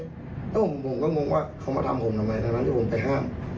แล้วผมก็งงว่าเขามาทำผมทำไมทั้งนั้นที่ผมไปห้าม